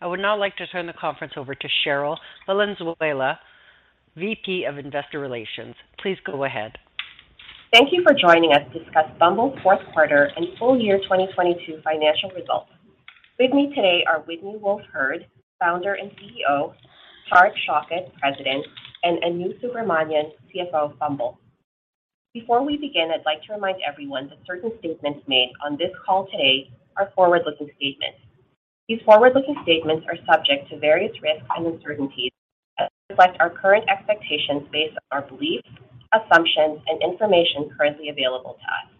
I would now like to turn the conference over to Cherryl Valenzuela, VP of Investor Relations. Please go ahead. Thank you for joining us to discuss Bumble's fourth quarter and full year 2022 financial results. With me today are Whitney Wolfe Herd, Founder and CEO, Tariq Shaukat, President, and Anu Subramanian, CFO of Bumble. Before we begin, I'd like to remind everyone that certain statements made on this call today are forward-looking statements. These forward-looking statements are subject to various risks and uncertainties that reflect our current expectations based on our beliefs, assumptions, and information currently available to us.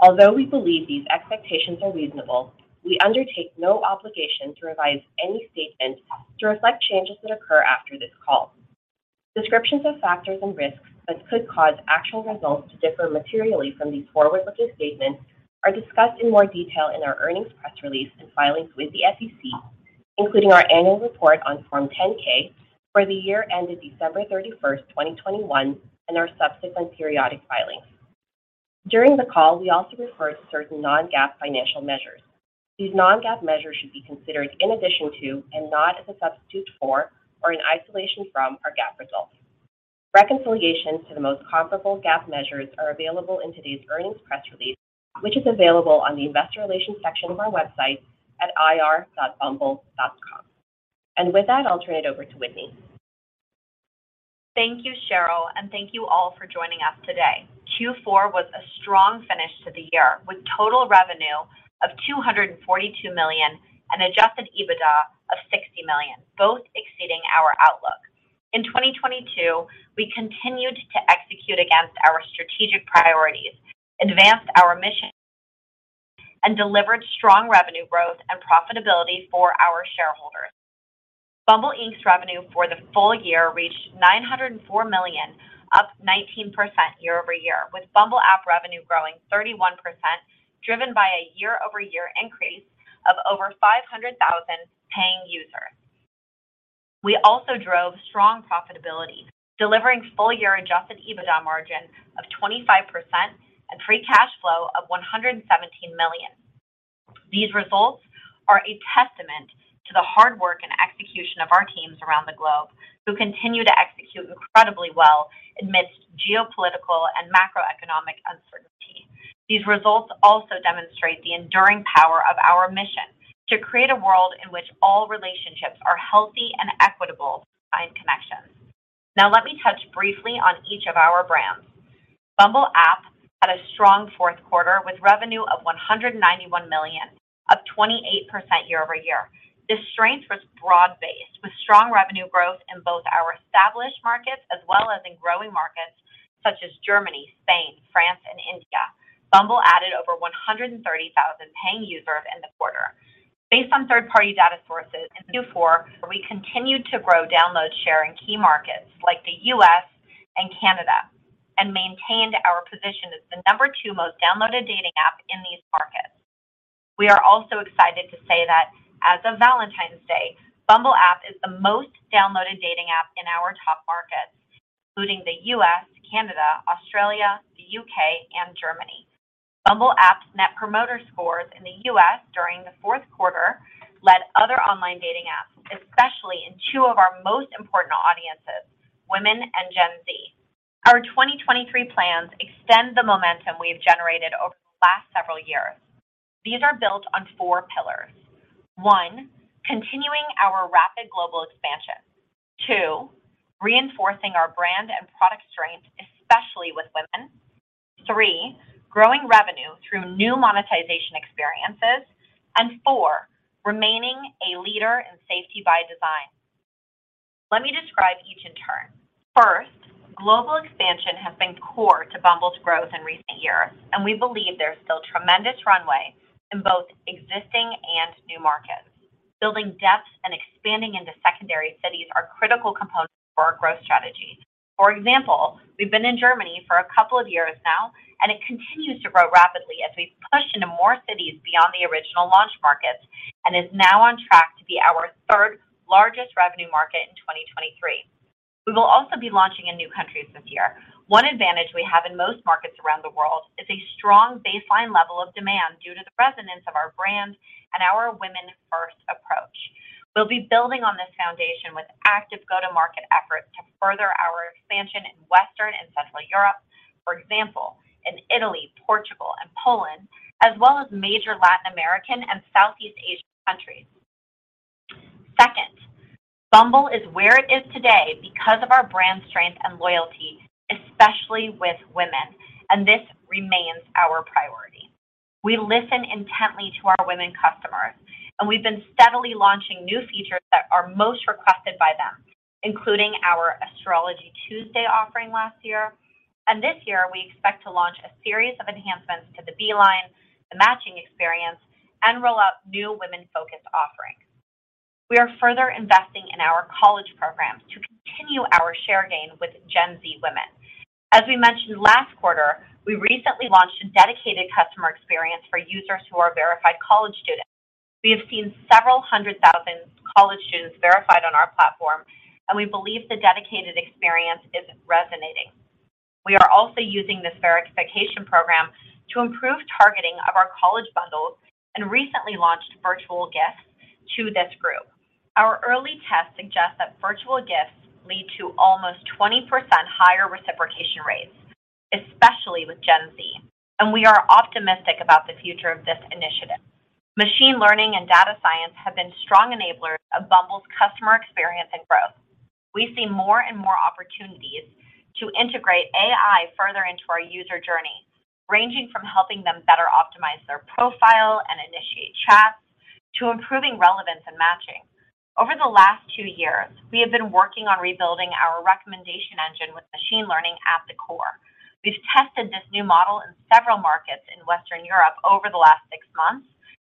Although we believe these expectations are reasonable, we undertake no obligation to revise any statement to reflect changes that occur after this call. Descriptions of factors and risks that could cause actual results to differ materially from these forward-looking statements are discussed in more detail in our earnings press release and filings with the SEC, including our annual report on Form 10-K for the year ended December 31, 2021, and our subsequent periodic filings. During the call, we also refer to certain non-GAAP financial measures. These non-GAAP measures should be considered in addition to and not as a substitute for or in isolation from our GAAP results. Reconciliations to the most comparable GAAP measures are available in today's earnings press release, which is available on the investor relations section of our website at ir.bumble.com. With that, I'll turn it over to Whitney. Thank you, Cheryl. Thank you all for joining us today. Q4 was a strong finish to the year, with total revenue of $242 million and adjusted EBITDA of $60 million, both exceeding our outlook. In 2022, we continued to execute against our strategic priorities, advanced our mission, and delivered strong revenue growth and profitability for our shareholders. Bumble Inc.'s revenue for the full year reached $904 million, up 19% year-over-year, with Bumble app revenue growing 31%, driven by a year-over-year increase of over 500,000 paying users. We also drove strong profitability, delivering full-year adjusted EBITDA margin of 25% and free cash flow of $117 million. These results are a testament to the hard work and execution of our teams around the globe who continue to execute incredibly well amidst geopolitical and macroeconomic uncertainty. These results also demonstrate the enduring power of our mission to create a world in which all relationships are healthy and equitable by design connections. Let me touch briefly on each of our brands. Bumble app had a strong fourth quarter with revenue of $191 million, up 28% year-over-year. This strength was broad-based with strong revenue growth in both our established markets as well as in growing markets such as Germany, Spain, France, and India. Bumble added over 130,000 paying users in the quarter. Based on third-party data sources, in Q4, we continued to grow download share in key markets like the U.S. and Canada and maintained our position as the number two most downloaded dating app in these markets. We are also excited to say that as of Valentine's Day, Bumble app is the most downloaded dating app in our top markets, including the U.S., Canada, Australia, the U.K., and Germany. Bumble app's Net Promoter Scores in the U.S. during the fourth quarter led other online dating apps, especially in two of our most important audiences, women and Gen Z. Our 2023 plans extend the momentum we have generated over the last several years. These are built on four pillars. One. continuing our rapid global expansion. Two. reinforcing our brand and product strength, especially with women. Three. growing revenue through new monetization experiences. Four. remaining a leader in safety by design. Let me describe each in turn. First, global expansion has been core to Bumble's growth in recent years, and we believe there's still tremendous runway in both existing and new markets. Building depth and expanding into secondary cities are critical components for our growth strategy. We've been in Germany for a couple of years now, and it continues to grow rapidly as we push into more cities beyond the original launch markets and is now on track to be our third-largest revenue market in 2023. We will also be launching in new countries this year. One advantage we have in most markets around the world is a strong baseline level of demand due to the resonance of our brand and our women-first approach. We'll be building on this foundation with active go-to-market efforts to further our expansion in Western and Central Europe. In Italy, Portugal, and Poland, as well as major Latin American and Southeast Asian countries. Bumble is where it is today because of our brand strength and loyalty, especially with women, and this remains our priority. We listen intently to our women customers, and we've been steadily launching new features that are most requested by them, including our Astrology Tuesday offering last year. This year, we expect to launch a series of enhancements to the Beeline, the matching experience, and roll out new women-focused offerings. We are further investing in our college programs to continue our share gain with Gen Z women. As we mentioned last quarter, we recently launched a dedicated customer experience for users who are verified college students. We have seen several 100,000-Verified on our platform, and we believe the dedicated experience is resonating. We are also using this verification program to improve targeting of our college bundles and recently launched virtual gifts to this group. Our early tests suggest that virtual gifts lead to almost 20% higher reciprocation rates, especially with Gen Z, and we are optimistic about the future of this initiative. Machine learning and data science have been strong enablers of Bumble's customer experience and growth. We see more and more opportunities to integrate AI further into our user journey, ranging from helping them better optimize their profile and initiate chats to improving relevance and matching. Over the last two years, we have been working on rebuilding our recommendation engine with machine learning at the core. We've tested this new model in several markets in Western Europe over the last six months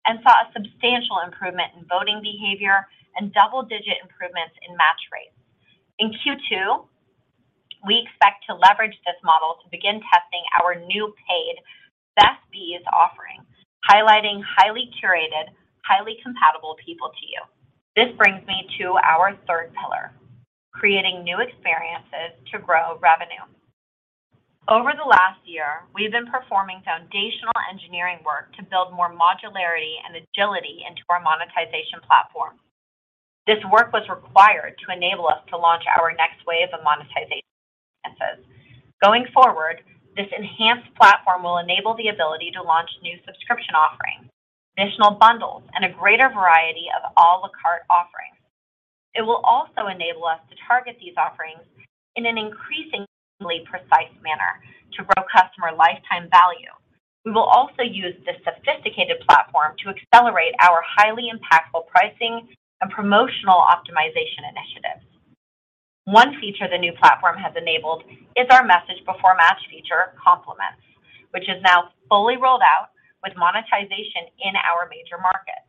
and saw a substantial improvement in voting behavior and double-digit improvements in match rates. In Q2, we expect to leverage this model to begin testing our new paid Best Bees offering, highlighting highly curated, highly compatible people to you. This brings me to our third pillar, creating new experiences to grow revenue. Over the last year, we've been performing foundational engineering work to build more modularity and agility into our monetization platform. This work was required to enable us to launch our next wave of monetization. Going forward, this enhanced platform will enable the ability to launch new subscription offerings, additional bundles, and a greater variety of à la carte offerings. It will also enable us to target these offerings in an increasingly precise manner to grow customer lifetime value. We will also use this sophisticated platform to accelerate our highly impactful pricing and promotional optimization initiatives. One feature the new platform has enabled is our message before match feature, Compliments, which is now fully rolled out with monetization in our major markets.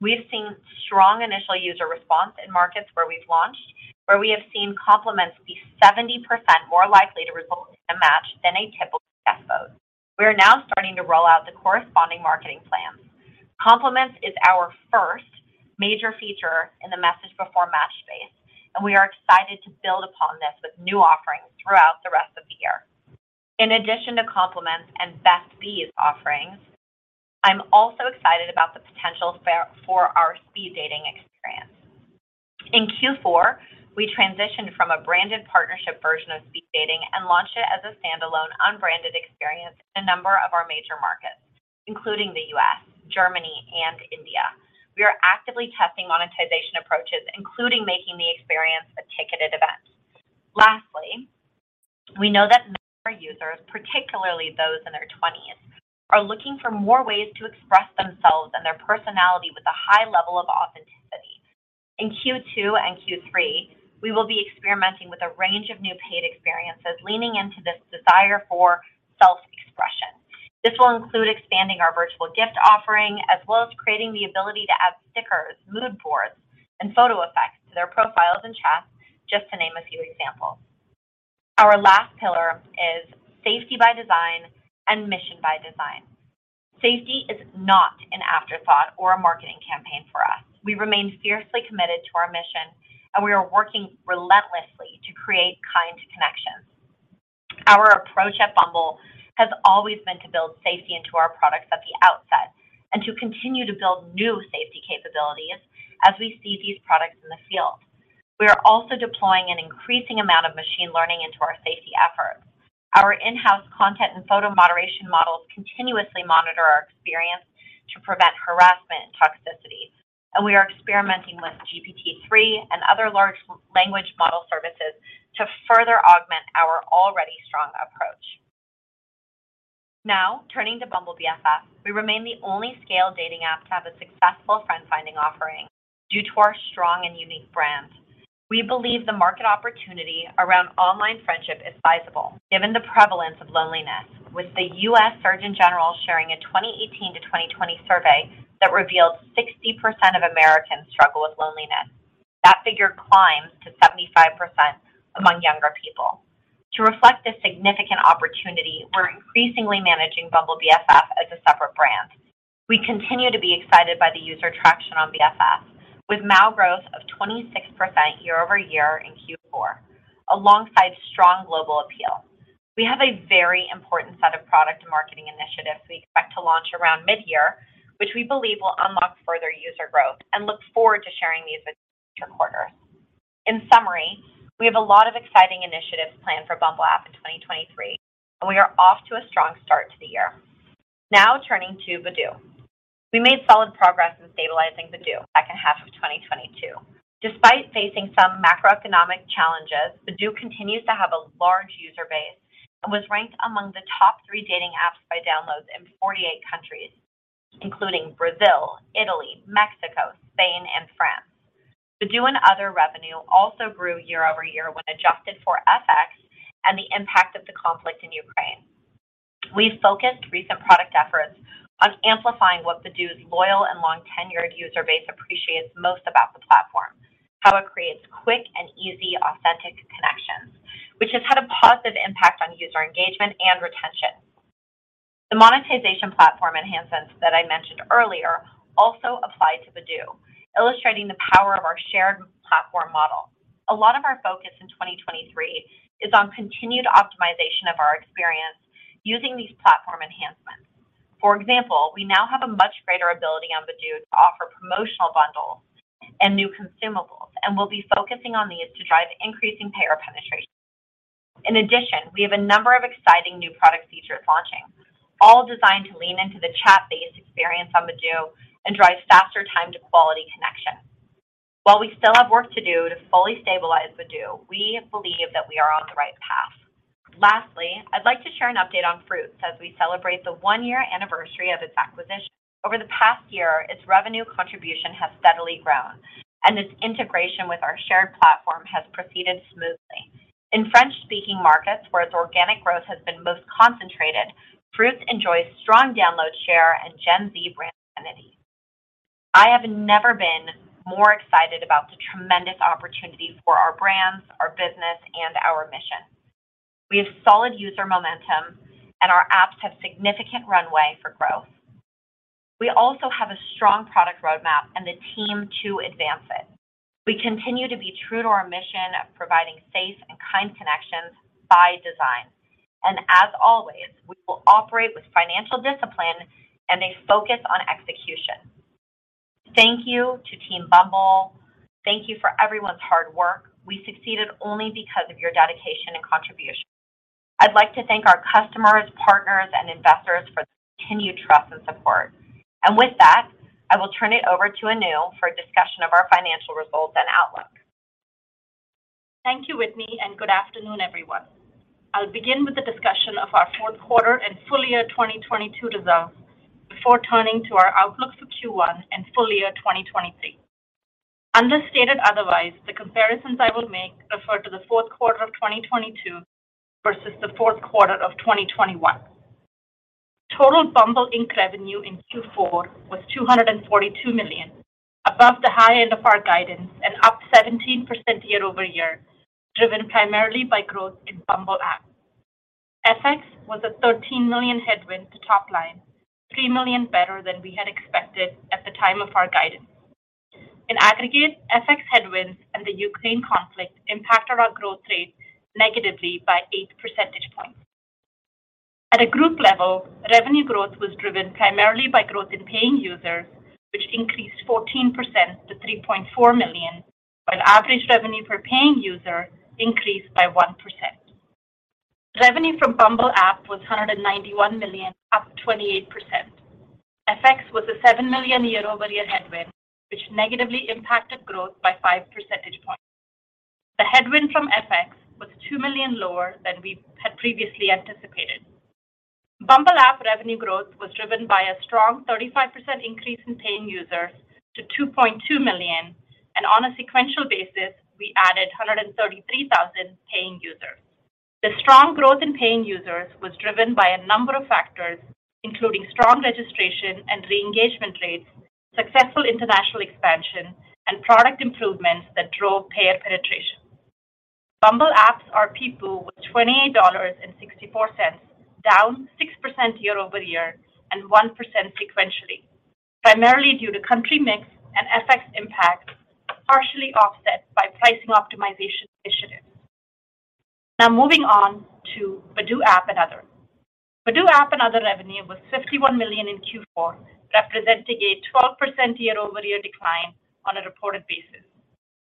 We've seen strong initial user response in markets where we've launched, where we have seen Compliments be 70% more likely to result in a match than a typical yes vote. We are now starting to roll out the corresponding marketing plans. Compliments is our first major feature in the message before match space, and we are excited to build upon this with new offerings throughout the rest of the year. In addition to Compliments and Best Bees offerings, I'm also excited about the potential for our speed dating experience. In Q4, we transitioned from a branded partnership version of speed dating and launched it as a standalone unbranded experience in a number of our major markets, including the U.S., Germany, and India. We are actively testing monetization approaches, including making the experience a ticketed event. Lastly, we know that our users, particularly those in their twenties, are looking for more ways to express themselves and their personality with a high level of authenticity. In Q2 and Q3, we will be experimenting with a range of new paid experiences leaning into this desire for self-expression. This will include expanding our virtual gift offering, as well as creating the ability to add stickers, mood boards, and photo effects to their profiles and chats, just to name a few examples. Our last pillar is safety by design and mission by design. Safety is not an afterthought or a marketing campaign for us. We remain fiercely committed to our mission, and we are working relentlessly to create kind connections. Our approach at Bumble has always been to build safety into our products at the outset and to continue to build new safety capabilities as we see these products in the field. We are also deploying an increasing amount of machine learning into our safety efforts. Our in-house content and photo moderation models continuously monitor our experience to prevent harassment and toxicity. We are experimenting with GPT-3 and other large language model services to further augment our already strong approach. Now, turning to Bumble BFF, we remain the only scale dating app to have a successful friend-finding offering due to our strong and unique brand. We believe the market opportunity around online friendship is sizable, given the prevalence of loneliness, with the U.S. Surgeon General sharing a 2018 to 2020 survey that revealed 60% of Americans struggle with loneliness. That figure climbs to 75% among younger people. To reflect this significant opportunity, we're increasingly managing Bumble BFF as a separate brand. We continue to be excited by the user traction on BFF, with now growth of 26% year-over-year in Q4, alongside strong global appeal. We have a very important set of product and marketing initiatives we expect to launch around mid-year, which we believe will unlock further user growth and look forward to sharing these with you next quarter. In summary, we have a lot of exciting initiatives planned for Bumble app in 2023, we are off to a strong start to the year. Turning to Badoo. We made solid progress in stabilizing Badoo back in half of 2022. Despite facing some macroeconomic challenges, Badoo continues to have a large user base and was ranked among the top three dating apps by downloads in 48 countries, including Brazil, Italy, Mexico, Spain, and France. Badoo and other revenue also grew year-over-year when adjusted for FX and the impact of the conflict in Ukraine. We've focused recent product efforts on amplifying what Badoo's loyal and long tenured user base appreciates most about the platform, how it creates quick and easy, authentic connections, which has had a positive impact on user engagement and retention. The monetization platform enhancements that I mentioned earlier also apply to Badoo, illustrating the power of our shared platform model. A lot of our focus in 2023 is on continued optimization of our experience using these platform enhancements. For example, we now have a much greater ability on Badoo to offer promotional bundles and new consumables, we'll be focusing on these to drive increasing payer penetration. In addition, we have a number of exciting new product features launching, all designed to lean into the chat-based experience on Badoo and drive faster time to quality connection. While we still have work to do to fully stabilize Badoo, we believe that we are on the right path. Lastly, I'd like to share an update on Fruitz as we celebrate the one-year anniversary of its acquisition. Over the past year, its revenue contribution has steadily grown, its integration with our shared platform has proceeded smoothly. In French-speaking markets, where its organic growth has been most concentrated, Fruitz enjoys strong download share and Gen Z brand identity. I have never been more excited about the tremendous opportunity for our brands, our business, and our mission. We have solid user momentum, and our apps have significant runway for growth. We also have a strong product roadmap and the team to advance it. We continue to be true to our mission of providing safe and kind connections by design. As always, we will operate with financial discipline and a focus on execution. Thank you to Team Bumble. Thank you for everyone's hard work. We succeeded only because of your dedication and contribution. I'd like to thank our customers, partners, and investors for their continued trust and support. With that, I will turn it over to Anu for a discussion of our financial results and outlook. Thank you, Whitney. Good afternoon, everyone. I'll begin with the discussion of our fourth quarter and full-year 2022 results before turning to our outlook for Q1 and full-year 2023. Unless stated otherwise, the comparisons I will make refer to the fourth quarter of 2022 versus the fourth quarter of 2021. Total Bumble Inc. revenue in Q4 was $242 million, above the high end of our guidance and up 17% year-over-year, driven primarily by growth in Bumble app. FX was a $13 million headwind to top line, $3 million better than we had expected at the time of our guidance. In aggregate, FX headwinds and the Ukraine conflict impacted our growth rate negatively by 8 percentage points. At a group level, revenue growth was driven primarily by growth in paying users, which increased 14% to 3.4 million, while average revenue per paying user increased by 1%. Revenue from Bumble app was $191 million, up 28%. FX was a $7 million year-over-year headwind, which negatively impacted growth by 5 percentage points. The headwind from FX was $2 million lower than we had previously anticipated. Bumble app revenue growth was driven by a strong 35% increase in paying users to 2.2 million, and on a sequential basis, we added 133,000 paying users. The strong growth in paying users was driven by a number of factors, including strong registration and re-engagement rates, successful international expansion, and product improvements that drove payer penetration. Bumble apps ARPU with $28.64, down 6% year-over-year and 1% sequentially, primarily due to country mix and FX impact, partially offset by pricing optimization initiatives. Moving on to Badoo app and other. Badoo app and other revenue was $51 million in Q4, representing a 12% year-over-year decline on a reported basis.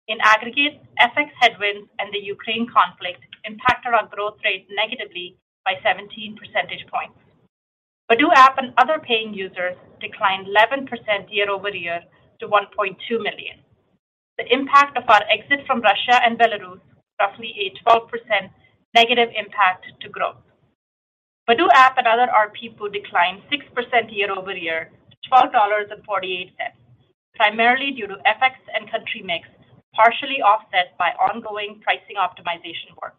In aggregate, FX headwinds and the Ukraine conflict impacted our growth rate negatively by 17 percentage points. Badoo app and other paying users declined 11% year-over-year to 1.2 million. The impact of our exit from Russia and Belarus was roughly a 12% negative impact to growth. Badoo app and other ARPU declined 6% year-over-year to $12.48, primarily due to FX and country mix, partially offset by ongoing pricing optimization work.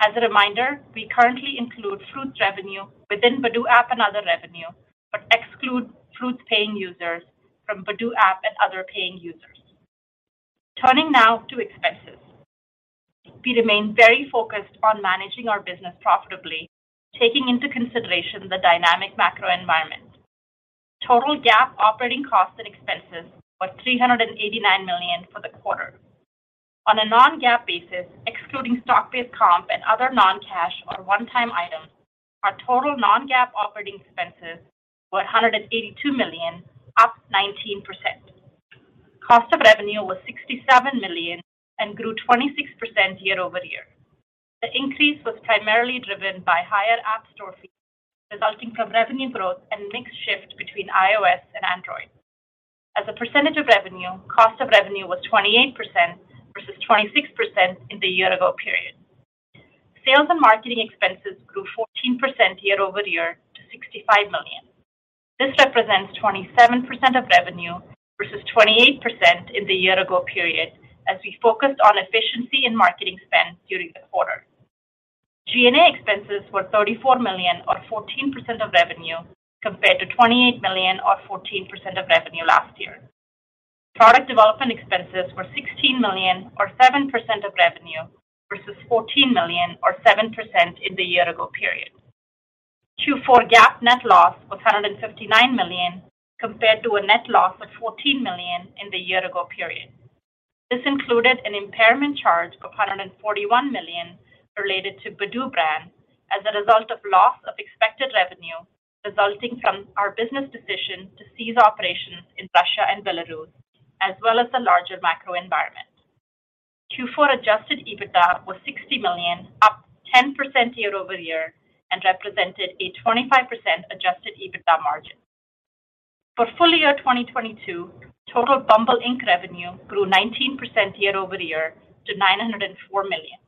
As a reminder, we currently include Fruitz revenue within Badoo app and other revenue, but exclude Fruitz paying users from Badoo app and other paying users. Turning now to expenses. We remain very focused on managing our business profitably, taking into consideration the dynamic macro environment. Total GAAP operating costs and expenses were $389 million for the quarter. On a non-GAAP basis, excluding stock-based compensation and other non-cash or one-time items, our total non-GAAP operating expenses were $182 million, up 19%. Cost of revenue was $67 million and grew 26% year-over-year. The increase was primarily driven by higher app store fees, resulting from revenue growth and mix shift between iOS and Android. As a percentage of revenue, cost of revenue was 28% versus 26% in the year-ago period. Sales and marketing expenses grew 14% year-over-year to $65 million. This represents 27% of revenue versus 28% in the year-ago period as we focused on efficiency in marketing spend during the quarter. G&A expenses were $34 million or 14% of revenue compared to $28 million or 14% of revenue last year. Product development expenses were $16 million or 7% of revenue, versus $14 million or 7% in the year-ago period. Q4 GAAP net loss was $159 million compared to a net loss of $14 million in the year-ago period. This included an impairment charge of $141 million related to Badoo brand as a result of loss of expected revenue resulting from our business decision to cease operations in Russia and Belarus, as well as the larger macro environment. Q4 Adjusted EBITDA was $60 million, up 10% year-over-year, represented a 25% Adjusted EBITDA margin. For full year 2022, total Bumble Inc. revenue grew 19% year-over-year to $904 million.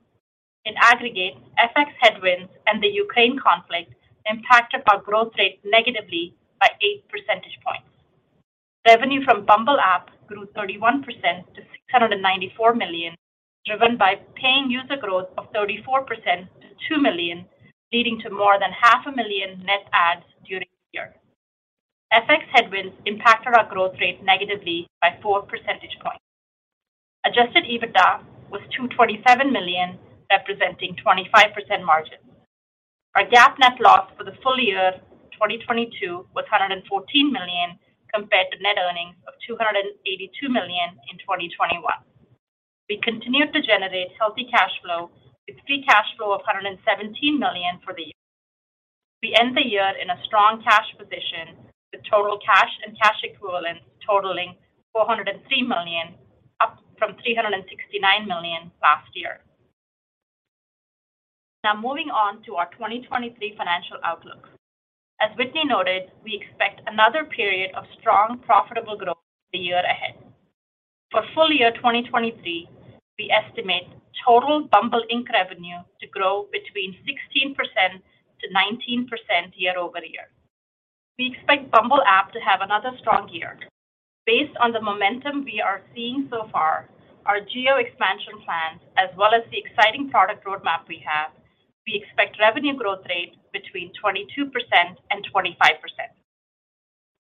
In aggregate, FX headwinds and the Ukraine conflict impacted our growth rate negatively by 8 percentage points. Revenue from Bumble app grew 31% to $694 million, driven by paying user growth of 34% to 2 million, leading to more than half a million net adds during the year. FX headwinds impacted our growth rate negatively by 4 percentage points. Adjusted EBITDA was $227 million, representing 25% margin. Our GAAP net loss for the full year of 2022 was $114 million compared to net earnings of $282 million in 2021. We continued to generate healthy cash flow with free cash flow of $117 million for the year. We end the year in a strong cash position, with total cash and cash equivalents totaling $403 million, up from $369 million last year. Moving on to our 2023 financial outlook. As Whitney noted, we expect another period of strong, profitable growth for the year ahead. For full year 2023, we estimate total Bumble Inc. revenue to grow between 16%-19% year-over-year. We expect Bumble app to have another strong year. Based on the momentum we are seeing so far, our geo-expansion plans, as well as the exciting product roadmap we have, we expect revenue growth rate between 22% and 25%.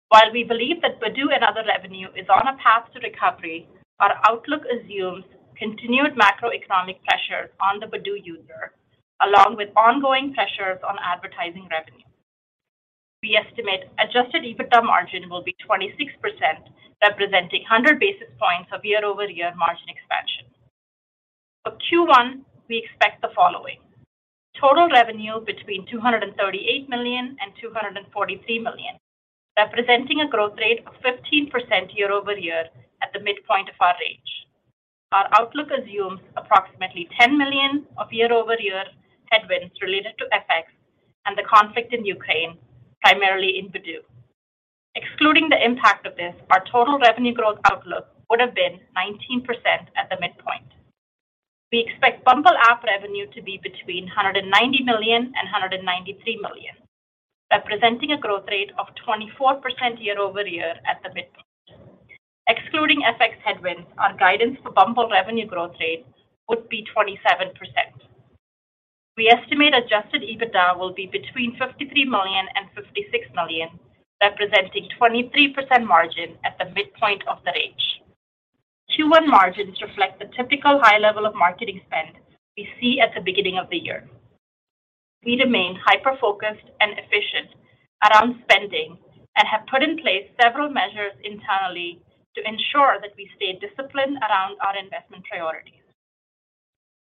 While we believe that Badoo and other revenue is on a path to recovery, our outlook assumes continued macroeconomic pressures on the Badoo user, along with ongoing pressures on advertising revenue. We estimate adjusted EBITDA margin will be 26%, representing 100 basis points of year-over-year margin expansion. For Q1, we expect the following: total revenue between $238 million and $243 million, representing a growth rate of 15% year-over-year at the midpoint of our range. Our outlook assumes approximately $10 million of year-over-year headwinds related to FX and the conflict in Ukraine, primarily in Badoo. Excluding the impact of this, our total revenue growth outlook would have been 19% at the midpoint. We expect Bumble app revenue to be between $190 million and $193 million, representing a growth rate of 24% year-over-year at the midpoint. Excluding FX headwinds, our guidance for Bumble revenue growth rate would be 27%. We estimate adjusted EBITDA will be between $53 million and $56 million, representing 23% margin at the midpoint of that range. Q1 margins reflect the typical high level of marketing spend we see at the beginning of the year. We remain hyper-focused and efficient around spending and have put in place several measures internally to ensure that we stay disciplined around our investment priorities.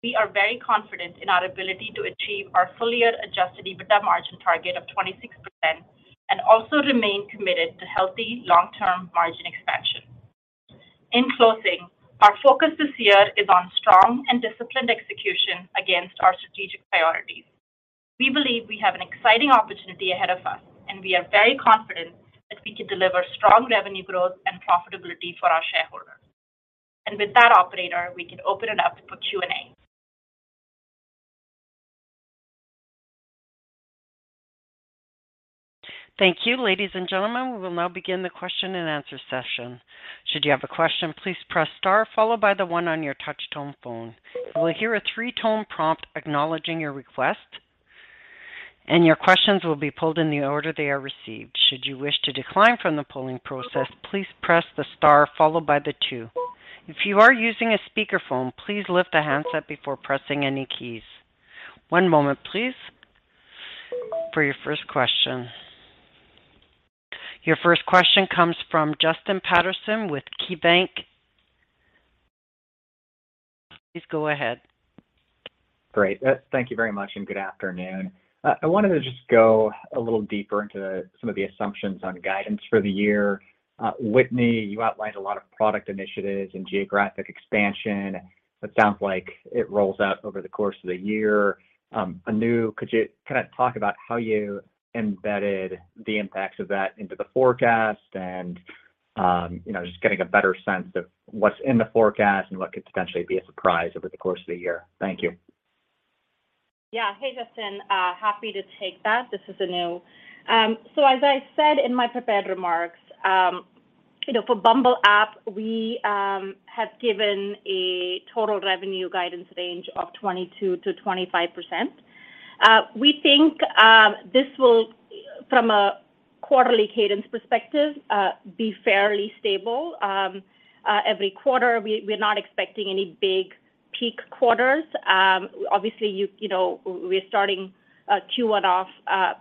We are very confident in our ability to achieve our full-year adjusted EBITDA margin target of 26% and also remain committed to healthy long-term margin expansion. In closing, our focus this year is on strong and disciplined execution against our strategic priorities. We believe we have an exciting opportunity ahead of us, and we are very confident that we can deliver strong revenue growth and profitability for our shareholders. With that, operator, we can open it up for Q&A. Thank you. Ladies and gentlemen, we will now begin the question-and-answer session. Should you have a question, please press star followed by the one on your touch-tone phone. You will hear a three-tone prompt acknowledging your request, and your questions will be pulled in the order they are received. Should you wish to decline from the polling process, please press the star followed by the two. If you are using a speakerphone, please lift the handset before pressing any keys. One moment, please for your first question. Your first question comes from Justin Patterson with KeyBank. Please go ahead. Great. Thank you very much, and good afternoon. I wanted to just go a little deeper into some of the assumptions on guidance for the year. Whitney, you outlined a lot of product initiatives and geographic expansion. It sounds like it rolls out over the course of the year. Anu, could you kind of talk about how you embedded the impacts of that into the forecast and, you know, just getting a better sense of what's in the forecast and what could potentially be a surprise over the course of the year? Thank you. Yeah. Hey, Justin. Happy to take that. This is Anu. As I said in my prepared remarks, you know, for Bumble app, we have given a total revenue guidance range of 22%-25%. We think this will, from a quarterly cadence perspective, be fairly stable every quarter. We're not expecting any big peak quarters. Obviously, you know, we're starting Q1 off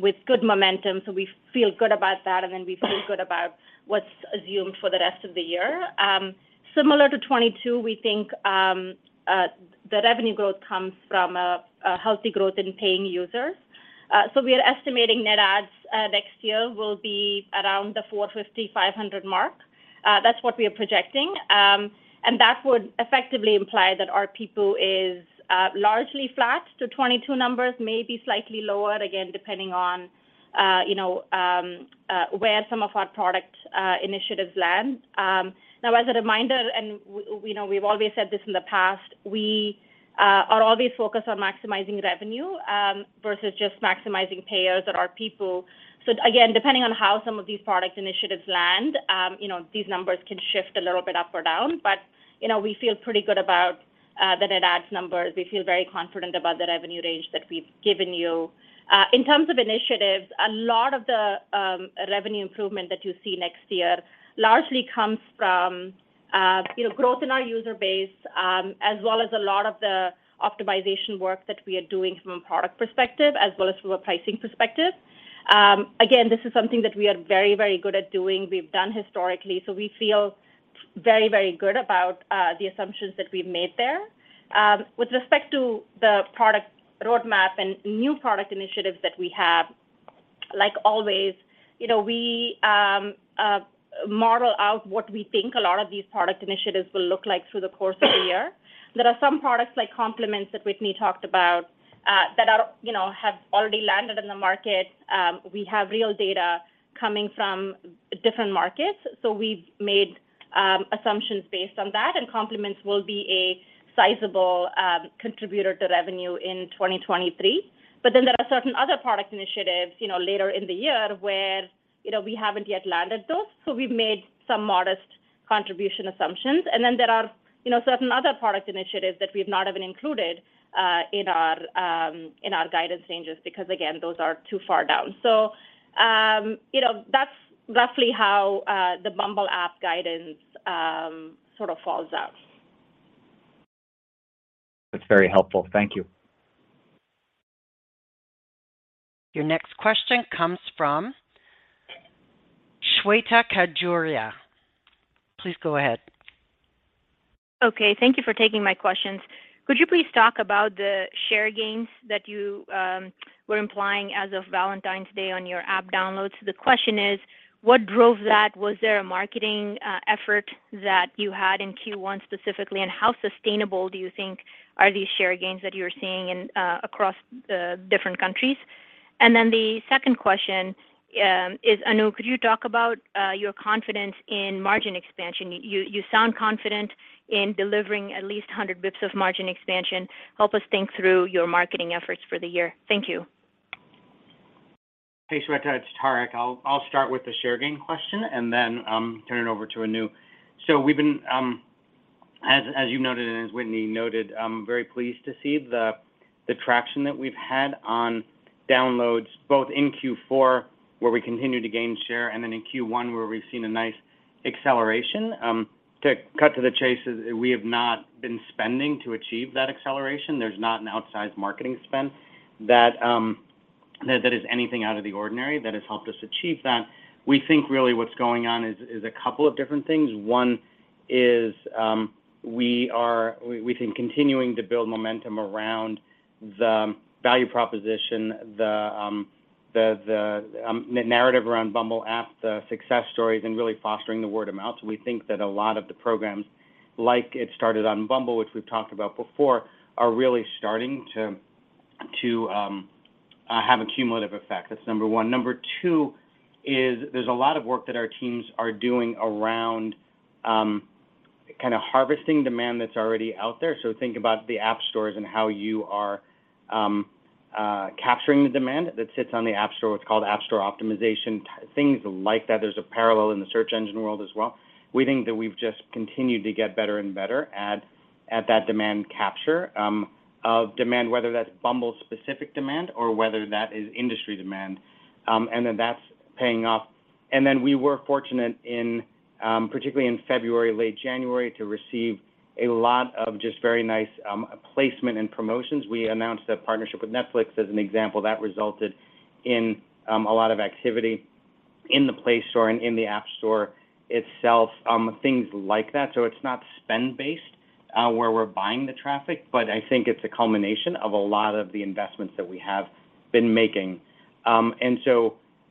with good momentum, so we feel good about that, and then we feel good about what's assumed for the rest of the year. Similar to 2022, we think the revenue growth comes from a healthy growth in paying users. We are estimating net adds next year will be around the 450,000-500,000 mark. That's what we are projecting. That would effectively imply that our ARPU is largely flat to 2022 numbers, maybe slightly lower, again, depending on, you know, where some of our product initiatives land. Now as a reminder, and we know we've always said this in the past, we are always focused on maximizing revenue versus just maximizing payers at our people. Again, depending on how some of these product initiatives land, you know, these numbers can shift a little bit up or down. You know, we feel pretty good about the net adds numbers. We feel very confident about the revenue range that we've given you. In terms of initiatives, a lot of the revenue improvement that you see next year largely comes from, you know, growth in our user base as well as a lot of the optimization work that we are doing from a product perspective as well as from a pricing perspective. Again, this is something that we are very, very good at doing, we've done historically, so we feel very, very good about the assumptions that we've made there. With respect to the product roadmap and new product initiatives that we have, like always, you know, we model out what we think a lot of these product initiatives will look like through the course of the year. There are some products like Compliments that Whitney talked about, that are, you know, have already landed in the market. We have real data coming from different markets, so we've made assumptions based on that, and Compliments will be a sizable contributor to revenue in 2023. There are certain other product initiatives, you know, later in the year where, you know, we haven't yet landed those, so we've made some modest contribution assumptions. There are, you know, certain other product initiatives that we've not even included in our guidance ranges because, again, those are too far down. You know, that's roughly how the Bumble app guidance sort of falls out. That's very helpful. Thank you. Your next question comes from Shweta Khajuria. Please go ahead. Okay, thank you for taking my questions. Could you please talk about the share gains that you were implying as of Valentine's Day on your app downloads? The question is: What drove that? Was there a marketing effort that you had in Q1 specifically, how sustainable do you think are these share gains that you're seeing in across different countries? The second question is, Anu, could you talk about your confidence in margin expansion? You sound confident in delivering at least 100 basis points of margin expansion. Help us think through your marketing efforts for the year. Thank you. Thanks, Shweta. It's Tariq. I'll start with the share gain question and then turn it over to Anu. We've been as you noted and as Whitney noted, very pleased to see the traction that we've had on downloads, both in Q4, where we continue to gain share, and then in Q1, where we've seen a nice acceleration. To cut to the chase is we have not been spending to achieve that acceleration. There's not an outsized marketing spend that that is anything out of the ordinary that has helped us achieve that. We think really what's going on is a couple of different things. One is, We've been continuing to build momentum around the value proposition, the narrative around Bumble app, the success stories and really fostering the word of mouth. We think that a lot of the programs like It Started on Bumble, which we've talked about before, are really starting to have a cumulative effect. That's number one. Number two is there's a lot of work that our teams are doing around kinda harvesting demand that's already out there. Think about the app stores and how you are capturing the demand that sits on the App Store, what's called app store optimization, things like that. There's a parallel in the search engine world as well. We think that we've just continued to get better and better at that demand capture, of demand, whether that's Bumble-specific demand or whether that is industry demand, that's paying off. We were fortunate in, particularly in February, late January, to receive a lot of just very nice placement and promotions. We announced a partnership with Netflix as an example that resulted in a lot of activity in the Play Store and in the App Store itself, things like that. It's not spend-based, where we're buying the traffic, but I think it's a culmination of a lot of the investments that we have been making.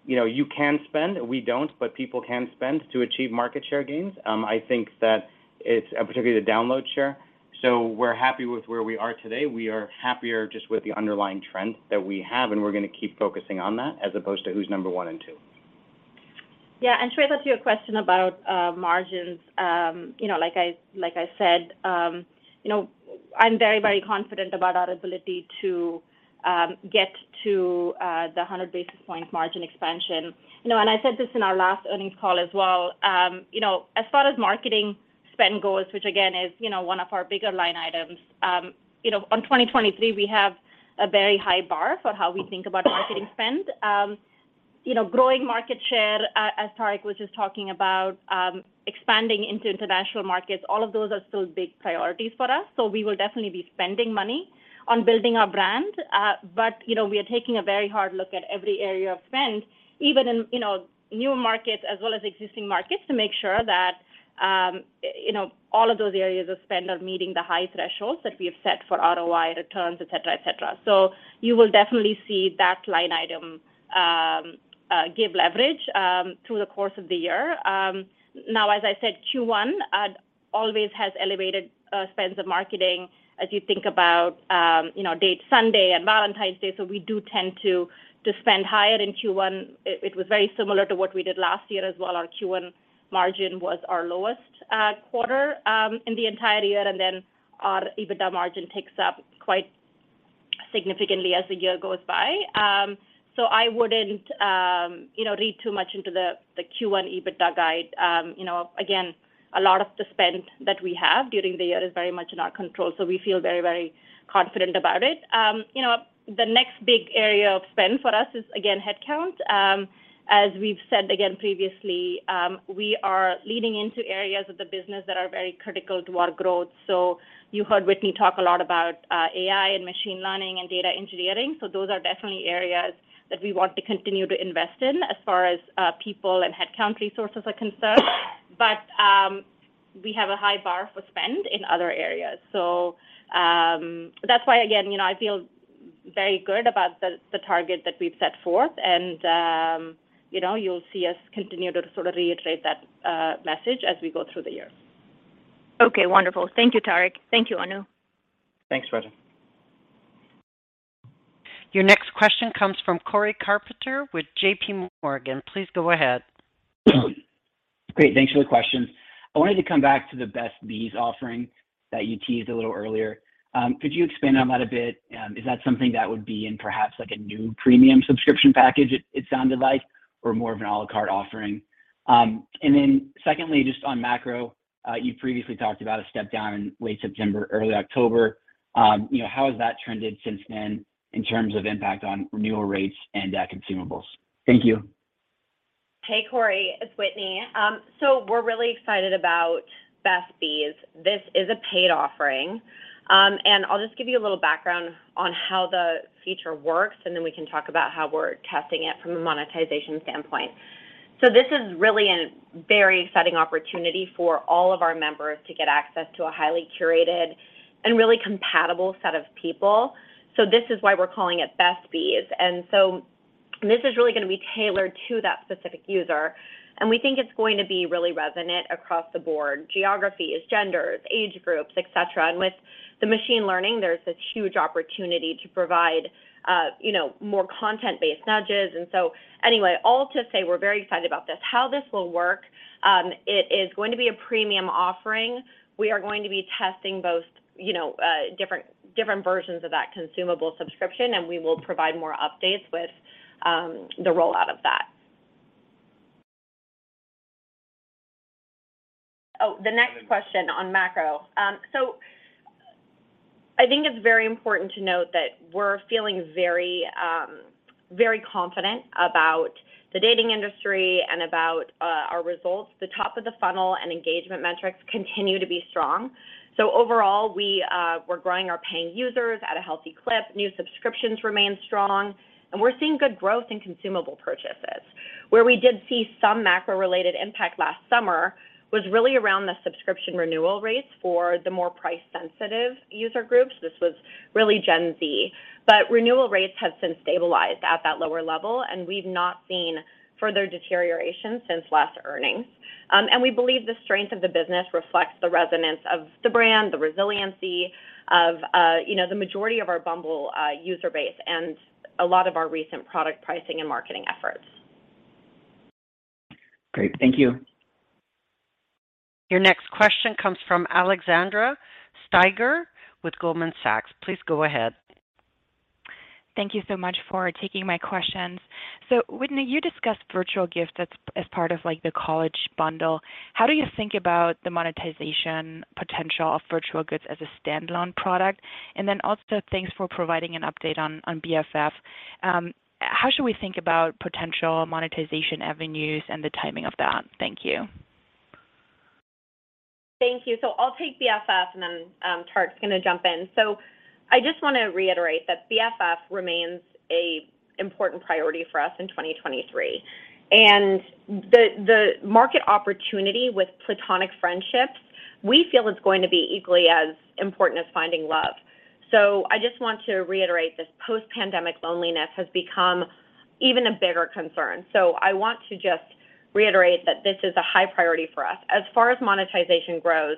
You know, you can spend. We don't, but people can spend to achieve market share gains. I think that it's particularly the download share. We're happy with where we are today. We are happier just with the underlying trend that we have, and we're gonna keep focusing on that as opposed to who's number one and two. Yeah. Shweta, to your question about margins, you know, like I said, you know, I'm very confident about our ability to get to the 100 basis points margin expansion. I said this in our last earnings call as well, you know, as far as marketing Spend goals, which again is one of our bigger line items. On 2023 we have a very high bar for how we think about marketing spend. Growing market share, as Tariq was just talking about, expanding into international markets, all of those are still big priorities for us. We will definitely be spending money on building our brand. We are taking a very hard look at every area of spend, even in new markets as well as existing markets to make sure that all of those areas of spend are meeting the high thresholds that we have set for ROI returns, et cetera, et cetera. You will definitely see that line item give leverage through the course of the year. Now as I said, Q1 always has elevated spends of marketing as you think about, you know, Dating Sunday and Valentine's Day. We do tend to spend higher in Q1. It was very similar to what we did last year as well. Our Q1 margin was our lowest quarter in the entire year. Our EBITDA margin ticks up quite significantly as the year goes by. I wouldn't, you know, read too much into the Q1 EBITDA guide. You know, again, a lot of the spend that we have during the year is very much in our control, so we feel very, very confident about it. You know, the next big area of spend for us is, again, headcount. As we've said again previously, we are leading into areas of the business that are very critical to our growth. You heard Whitney talk a lot about AI and machine learning and data engineering. Those are definitely areas that we want to continue to invest in as far as people and headcount resources are concerned. We have a high bar for spend in other areas. That's why again, you know, I feel very good about the target that we've set forth and, you know, you'll see us continue to sort of reiterate that message as we go through the year. Okay. Wonderful. Thank you, Tariq. Thank you, Anu. Thanks, Raja. Your next question comes from Cory Carpenter with JPMorgan. Please go ahead. Great. Thanks for the questions. I wanted to come back to the Best Bees offering that you teased a little earlier. Could you expand on that a bit? Is that something that would be in perhaps like a new premium subscription package it sounded like or more of an à la carte offering? Secondly, just on macro, you previously talked about a step down in late September, early October. You know, how has that trended since then in terms of impact on renewal rates and consumables? Thank you. Hey, Cory, it's Whitney. We're really excited about Best Bees. This is a paid offering. I'll just give you a little background on how the feature works, and then we can talk about how we're testing it from a monetization standpoint. This is really a very exciting opportunity for all of our members to get access to a highly curated and really compatible set of people. This is why we're calling it Best Bees, and so this is really gonna be tailored to that specific user, and we think it's going to be really resonant across the board: geographies, genders, age groups, et cetera. With the machine learning, there's this huge opportunity to provide, you know, more content-based nudges. Anyway, all to say we're very excited about this. How this will work, it is going to be a premium offering. We are going to be testing both, you know, different versions of that consumable subscription, and we will provide more updates with the rollout of that. The next question on macro. I think it's very important to note that we're feeling very confident about the dating industry and about our results. The top of the funnel and engagement metrics continue to be strong. Overall, we're growing our paying users at a healthy clip. New subscriptions remain strong, and we're seeing good growth in consumable purchases. Where we did see some macro-related impact last summer was really around the subscription renewal rates for the more price-sensitive user groups. This was really Gen Z. Renewal rates have since stabilized at that lower level, and we've not seen further deterioration since last earnings. We believe the strength of the business reflects the resonance of the brand, the resiliency of, you know, the majority of our Bumble user base, and a lot of our recent product pricing and marketing efforts. Great. Thank you. Your next question comes from Alexandra Steiger with Goldman Sachs. Please go ahead. Thank you so much for taking my questions. Whitney, you discussed virtual gifts as part of the college bundle. How do you think about the monetization potential of virtual goods as a standalone product? Thanks for providing an update on Bumble BFF. How should we think about potential monetization avenues and the timing of that? Thank you. Thank you. I'll take BFF and then Tariq's gonna jump in. I just wanna reiterate that BFF remains a important priority for us in 2023. The market opportunity with platonic friendships, we feel is going to be equally as important as finding love. I just want to reiterate this post-pandemic loneliness has become even a bigger concern. I want to just reiterate that this is a high priority for us. As far as monetization grows,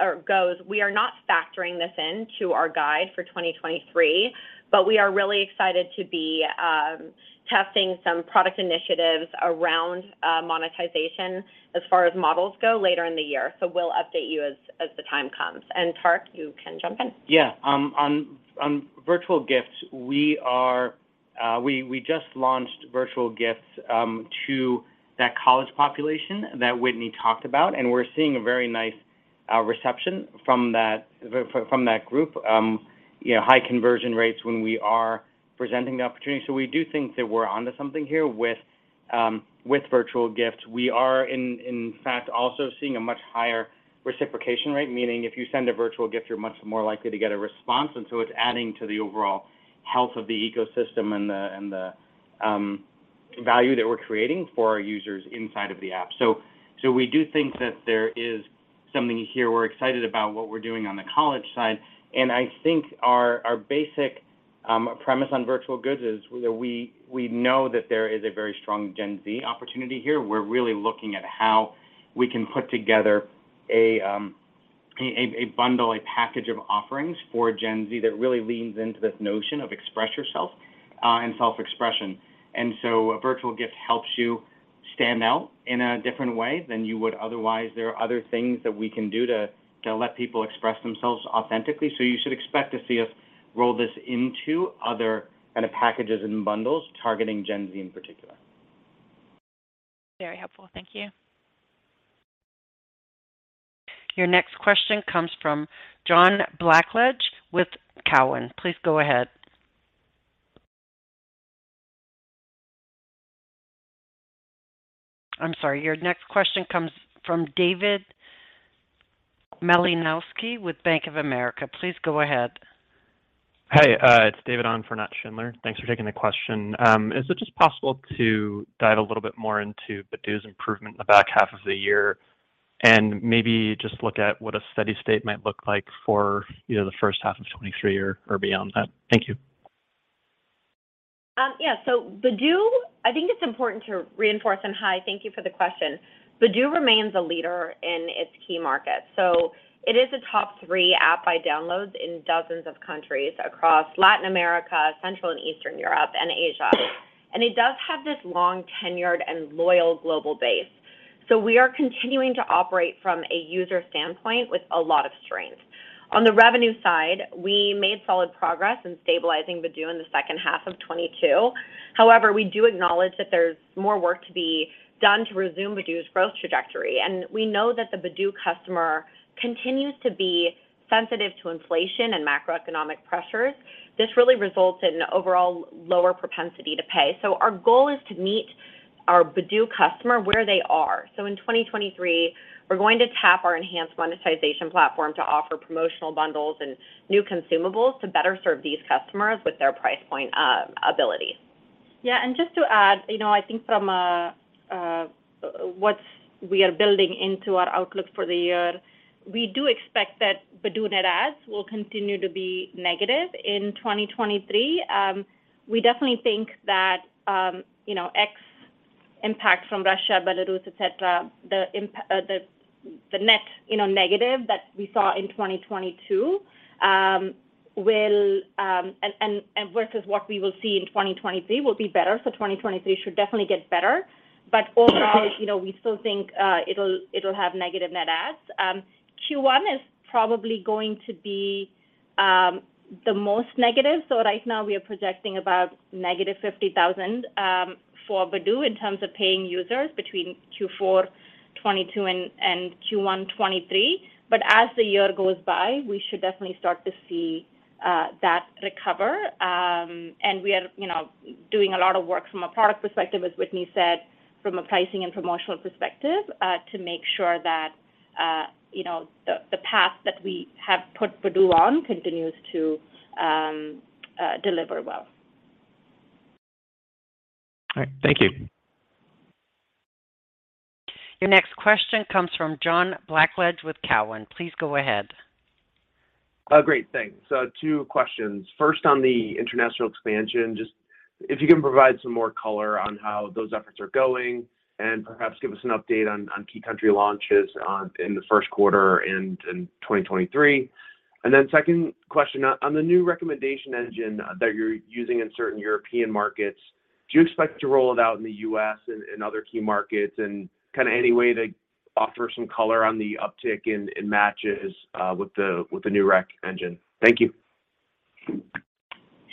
or goes, we are not factoring this into our guide for 2023, but we are really excited to be testing some product initiatives around monetization as far as models go later in the year. We'll update you as the time comes. Tariq, you can jump in. Yeah. On virtual gifts, we just launched virtual gifts to that college population that Whitney talked about. We're seeing a very nice reception from that group. You know, high conversion rates when we are presenting the opportunity. We do think that we're onto something here with virtual gifts. We are in fact also seeing a much higher reciprocation rate, meaning if you send a virtual gift, you're much more likely to get a response. It's adding to the overall health of the ecosystem and the value that we're creating for our users inside of the app. We do think that there is something here. We're excited about what we're doing on the college side. I think our basic premise on virtual goods is that we know that there is a very strong Gen Z opportunity here. We're really looking at how we can put together a bundle, a package of offerings for Gen Z that really leans into this notion of express yourself and self-expression. A virtual gift helps you stand out in a different way than you would otherwise. There are other things that we can do to let people express themselves authentically. You should expect to see us roll this into other kind of packages and bundles targeting Gen Z in particular. Very helpful. Thank you. Your next question comes from John Blackledge with Cowen. Please go ahead. I'm sorry. Your next question comes from David Malinowski with Bank of America. Please go ahead. Hey, it's David on for Nat Schindler. Thanks for taking the question. Is it just possible to dive a little bit more into Badoo's improvement in the back half of the year and maybe just look at what a steady-state might look like for, you know, the first half of 2023 or beyond that? Thank you. Yeah. Badoo, I think it's important to reinforce. Hi, thank you for the question. Badoo remains a leader in its key markets. It is a top three app by downloads in dozens of countries across Latin America, Central and Eastern Europe, and Asia. It does have this long-tenured and loyal global base. We are continuing to operate from a user standpoint with a lot of strength. On the revenue side, we made solid progress in stabilizing Badoo in the second half of 22. However, we do acknowledge that there's more work to be done to resume Badoo's growth trajectory. We know that the Badoo customer continues to be sensitive to inflation and macroeconomic pressures. This really results in an overall lower propensity to pay. Our goal is to meet our Badoo customer where they are. In 2023, we're going to tap our enhanced monetization platform to offer promotional bundles and new consumables to better serve these customers with their price point abilities. Just to add, you know, I think from a what we are building into our outlook for the year, we do expect that Badoo net adds will continue to be negative in 2023. We definitely think that, you know, ex impact from Russia, Belarus, et cetera, the net, you know, negative that we saw in 2022, will and versus what we will see in 2023 will be better. 2023 should definitely get better. Overall, you know, we still think, it'll have negative net adds. Q1 is probably going to be the most negative. Right now we are projecting about negative 50,000, for Badoo in terms of paying users between Q4 2022 and Q1 2023. As the year goes by, we should definitely start to see that recover. We are, you know, doing a lot of work from a product perspective, as Whitney said, from a pricing and promotional perspective, to make sure that, you know, the path that we have put Badoo on continues to deliver well. All right. Thank you. Your next question comes from John Blackledge with Cowen. Please go ahead.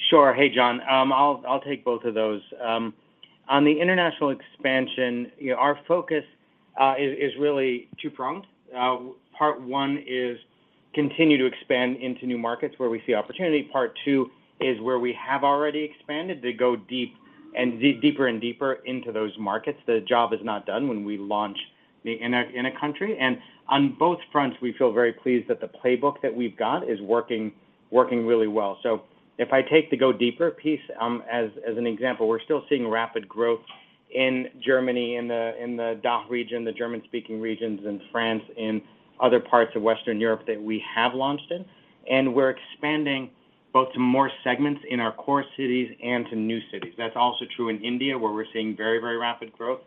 Sure. Hey, John. I'll take both of those. On the international expansion, you know, our focus is really two-pronged. Part one is continue to expand into new markets where we see opportunity. Part two is where we have already expanded to go deep and deeper and deeper into those markets. The job is not done when we launch in a country. On both fronts, we feel very pleased that the playbook that we've got is working really well. If I take the go deeper piece, as an example, we're still seeing rapid growth in Germany, in the DACH region, the German-speaking regions, in France, in other parts of Western Europe that we have launched in. We're expanding both to more segments in our core cities and to new cities. That's also true in India, where we're seeing very, very rapid growth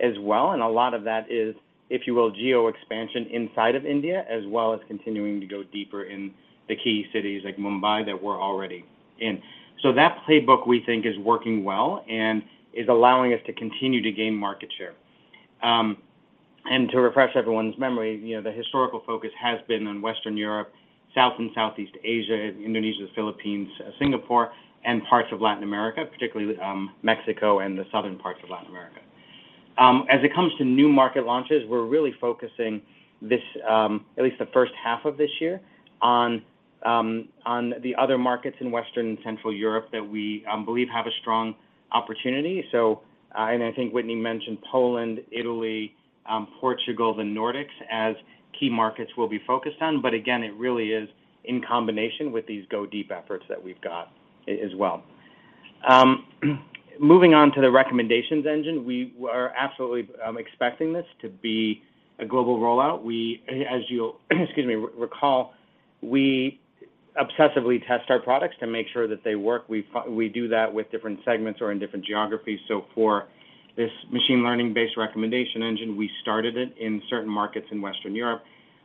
as well. A lot of that is, if you will, geo expansion inside of India, as well as continuing to go deeper in the key cities like Mumbai that we're already in. That playbook, we think, is working well and is allowing us to continue to gain market share. To refresh everyone's memory, you know, the historical focus has been on Western Europe, South and Southeast Asia, Indonesia, the Philippines, Singapore, and parts of Latin America, particularly, Mexico and the southern parts of Latin America. As it comes to new market launches, we're really focusing this, at least the first half of this year on the other markets in Western and Central Europe that we believe have a strong opportunity. I think Whitney mentioned Poland, Italy, Portugal, the Nordics as key markets we'll be focused on. Again, it really is in combination with these go-deep efforts that we've got as well. Moving on to the recommendations engine. We are absolutely expecting this to be a global rollout. We, as you'll excuse me, recall, we obsessively test our products to make sure that they work. We do that with different segments or in different geographies. For this machine learning-based recommendation engine, we started it in certain markets in Western Europe.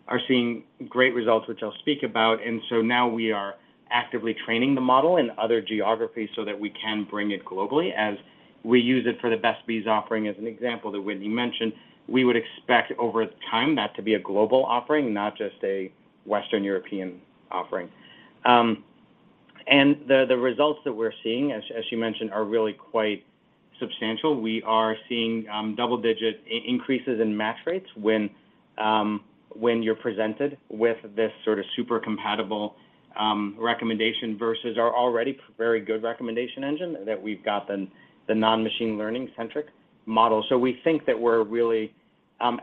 Are seeing great results, which I'll speak about. Now we are actively training the model in other geographies so that we can bring it globally as we use it for the Best Bees offering, as an example that Whitney mentioned, we would expect over time that to be a global offering, not just a Western European offering. The results that we're seeing, as you mentioned, are really quite substantial. We are seeing double-digit increases in match rates when you're presented with this sort of super compatible recommendation versus our already very good recommendation engine that we've got, the non-machine learning centric model. We think that we're really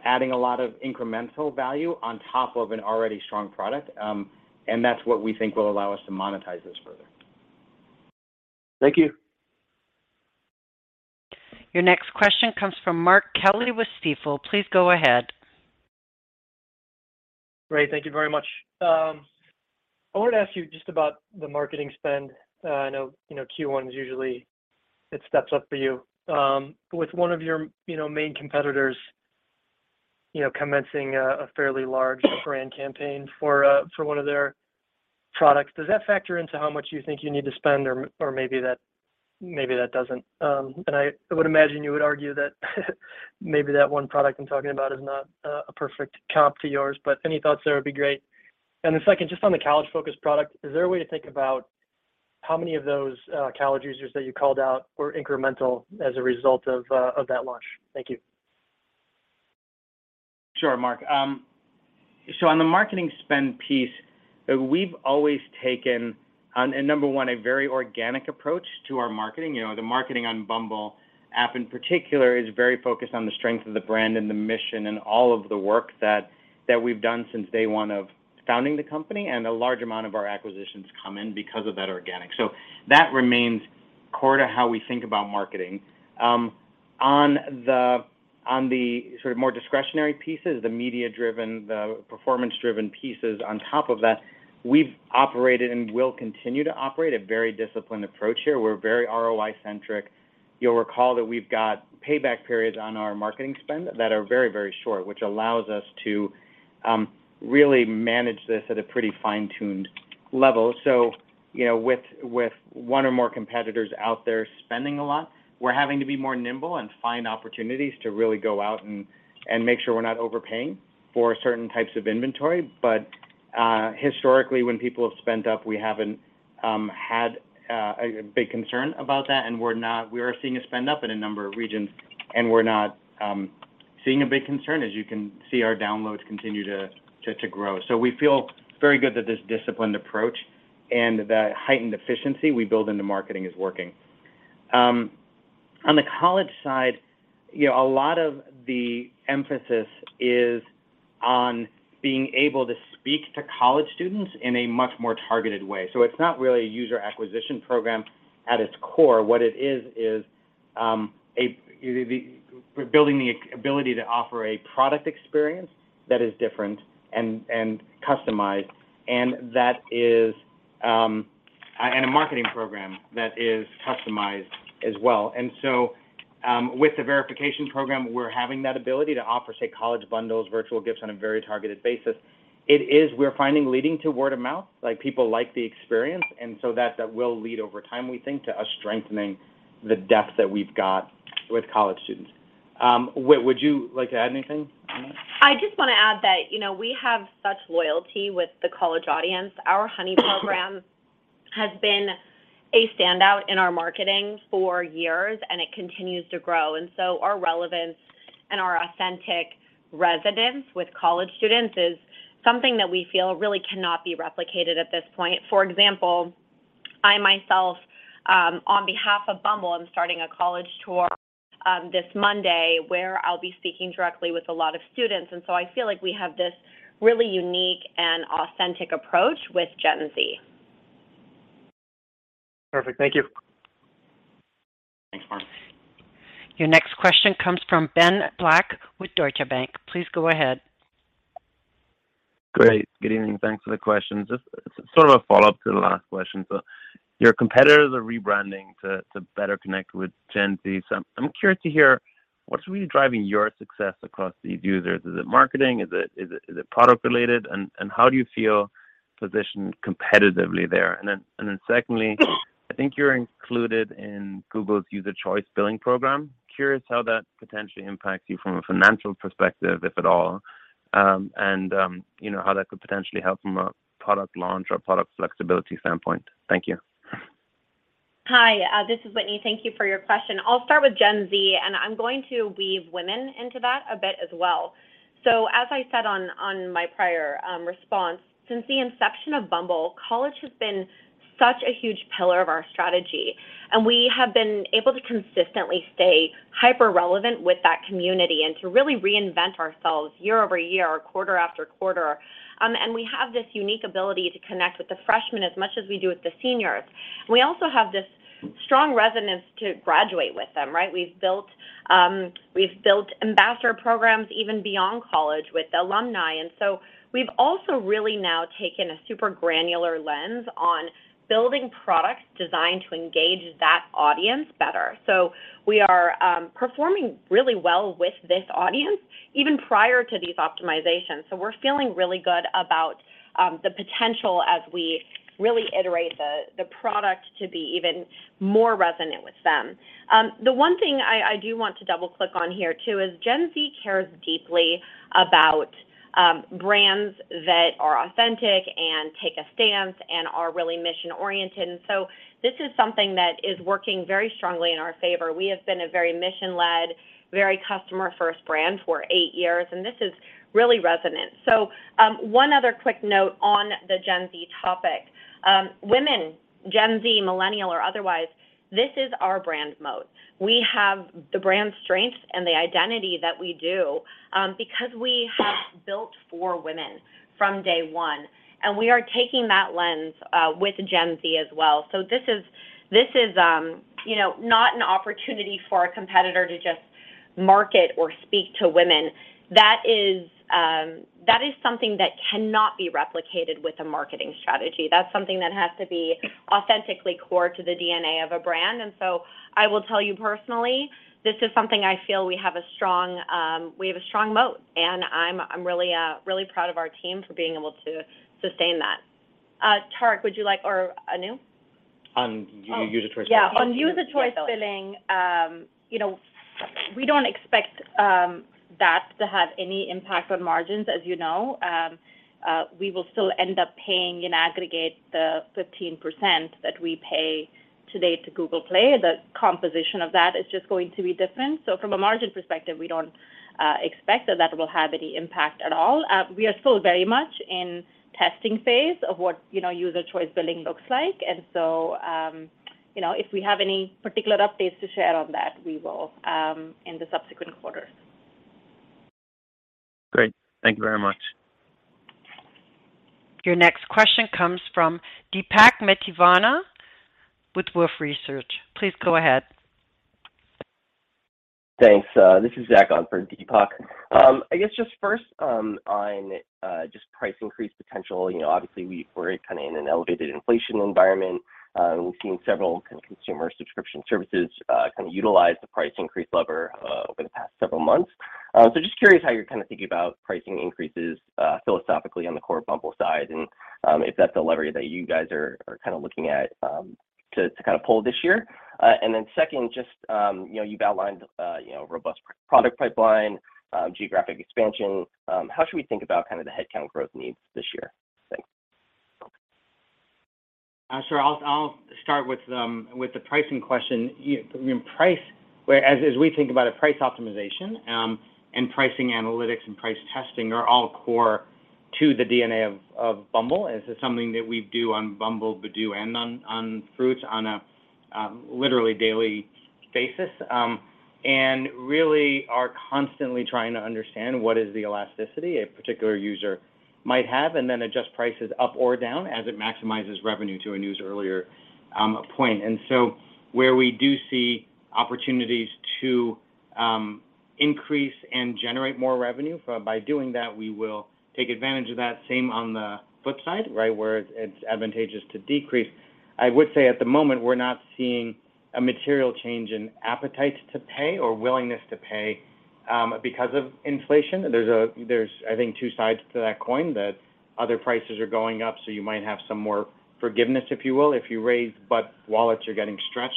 adding a lot of incremental value on top of an already strong product. That's what we think will allow us to monetize this further. Thank you. Your next question comes from Mark Kelley with Stifel. Please go ahead. Great. Thank you very much. I wanted to ask you just about the marketing spend. I know, you know, Q1 is usually it steps up for you. With one of your, you know, main competitors, you know, commencing a fairly large brand campaign for one of their products, does that factor into how much you think you need to spend? Or maybe that doesn't. I would imagine you would argue that maybe that one product I'm talking about is not a perfect comp to yours, but any thoughts there would be great. Second, just on the college-focused product, is there a way to think about how many of those college users that you called out were incremental as a result of that launch? Thank you. Sure, Mark. On the marketing spend piece, we've always taken on, and number one, a very organic approach to our marketing. You know, the marketing on Bumble app in particular is very focused on the strength of the brand and the mission and all of the work that we've done since day one of founding the company. A large amount of our acquisitions come in because of that organic. That remains core to how we think about marketing. On the sort of more discretionary pieces, the media-driven, the performance-driven pieces on top of that, we've operated and will continue to operate a very disciplined approach here. We're very ROI-centric. You'll recall that we've got payback periods on our marketing spend that are very short, which allows us to really manage this at a pretty fine-tuned level. You know, with one or more competitors out there spending a lot, we're having to be more nimble and find opportunities to really go out and make sure we're not overpaying for certain types of inventory. Historically, when people have spent up, we haven't had a big concern about that, and we are seeing a spend up in a number of regions, and we're not seeing a big concern. As you can see, our downloads continue to grow. We feel very good that this disciplined approach and the heightened efficiency we build into marketing is working. On the college side, you know, a lot of the emphasis is on being able to speak to college students in a much more targeted way. It's not really a user acquisition program at its core. What it is, we're building the ability to offer a product experience that is different and customized, and that is, and a marketing program that is customized as well. With the verification program, we're having that ability to offer, say, college bundles, virtual gifts on a very targeted basis. It is, we're finding, leading to word of mouth. Like, people like the experience, that will lead over time, we think, to us strengthening the depth that we've got with college students. Would you like to add anything on that? I just want to add that, you know, we have such loyalty with the college audience. Our Bumble Honey program has been a standout in our marketing for years, and it continues to grow. Our relevance and our authentic residence with college students is something that we feel really cannot be replicated at this point. For example, I myself, on behalf of Bumble, I'm starting a college tour, this Monday where I'll be speaking directly with a lot of students. I feel like we have this really unique and authentic approach with Gen Z. Perfect. Thank you. Thanks, Mark. Your next question comes from Ben Black with Deutsche Bank. Please go ahead. Great. Good evening. Thanks for the questions. Just sort of a follow-up to the last question. Your competitors are rebranding to better connect with Gen Z. I'm curious to hear what's really driving your success across these users. Is it marketing? Is it product related? How do you feel positioned competitively there. Secondly, I think you're included in Google's User Choice Billing program. Curious how that potentially impacts you from a financial perspective, if at all, you know, how that could potentially help from a product launch or product flexibility standpoint. Thank you. Hi, this is Whitney. Thank you for your question. I'll start with Gen Z, and I'm going to weave women into that a bit as well. As I said on my prior response, since the inception of Bumble, college has been such a huge pillar of our strategy, and we have been able to consistently stay hyper-relevant with that community and to really reinvent ourselves year-over-year or quarter-after-quarter. We have this unique ability to connect with the freshmen as much as we do with the seniors. We also have this strong resonance to graduate with them, right? We've built ambassador programs even beyond college with alumni. We've also really now taken a super granular lens on building products designed to engage that audience better. We are performing really well with this audience, even prior to these optimizations. We're feeling really good about the potential as we really iterate the product to be even more resonant with them. The one thing I do want to double-click on here too is Gen Z cares deeply about brands that are authentic and take a stance and are really mission-oriented. This is something that is working very strongly in our favor. We have been a very mission-led, very customer-first brand for eight years, and this is really resonant. One other quick note on the Gen Z topic. Women, Gen Z, Millennial, or otherwise, this is our brand moat. We have the brand strength and the identity that we do, because we have built for women from day one, and we are taking that lens with Gen Z as well. This is, you know, not an opportunity for a competitor to just market or speak to women. That is something that cannot be replicated with a marketing strategy. That's something that has to be authentically core to the DNA of a brand. I will tell you personally, this is something I feel we have a strong, we have a strong moat, and I'm really proud of our team for being able to sustain that. Tariq, would you like or Anu? On User Choice Billing? On User Choice Billing, you know, we don't expect that to have any impact on margins, as you know. We will still end up paying in aggregate the 15% that we pay today to Google Play. The composition of that is just going to be different. From a margin perspective, we don't expect that that will have any impact at all. We are still very much in testing phase of what, you know, User Choice Billing looks like. If we have any particular updates to share on that, we will in the subsequent quarters. Great. Thank you very much. Your next question comes from Deepak Mathivanan with Wolfe Research. Please go ahead. Thanks. This is Zach on for Deepak. I guess just first, on just price increase potential. You know, obviously, we're kind of in an elevated inflation environment, and we've seen several consumer subscription services kind of utilize the price increase lever over the past several months. So just curious how you're kind of thinking about pricing increases philosophically on the core Bumble side and if that's a lever that you guys are kind of looking at to kind of pull this year. And then second, just, you know, you've outlined, you know, robust product pipeline, geographic expansion. How should we think about kind of the headcount growth needs this year? Thanks. Sure. I'll start with the pricing question. I mean, as we think about it, price optimization, and pricing analytics and price testing are all core to the DNA of Bumble. This is something that we do on Bumble, Badoo, and on Fruitz on a literally daily basis, and really are constantly trying to understand what is the elasticity a particular user might have, and then adjust prices up or down as it maximizes revenue to Anu's earlier point. Where we do see opportunities to increase and generate more revenue, by doing that, we will take advantage of that. Same on the flip side, right, where it's advantageous to decrease. I would say at the moment, we're not seeing a material change in appetite to pay or willingness to pay, because of inflation. There's, I think, two sides to that coin, that other prices are going up, so you might have some more forgiveness, if you will, if you raise, but wallets are getting stretched.